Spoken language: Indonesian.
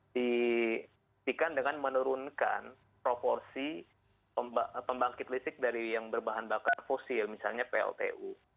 diberikan dengan menurunkan proporsi pembangkit listrik dari yang berbahan bakar fosil misalnya pltu